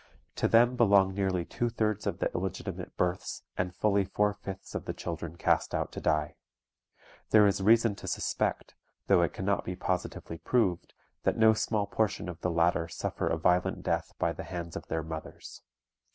To them belong nearly two thirds of the illegitimate births, and fully four fifths of the children cast out to die. There is reason to suspect, though it can not be positively proved, that no small portion of the latter suffer a violent death by the hands of their mothers.